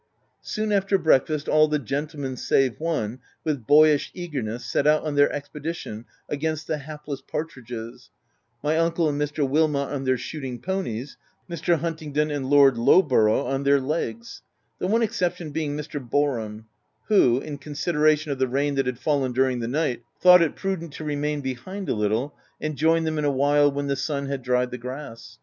Soon after breakfast all the gentlemen save one, with boyish eagerness, set out on their expedition against the hapless partridges ; nry uncle and Mr. Wilmot on their shooting ponies, Mr. Huntingdon and Lord Lowborough on their legs ; the one exception being Mr. Boar ham, who, in consideration of the rain that had fallen during the night, thought it prudent to remain behind a little, and join them in a while, when the sun had dried the grass.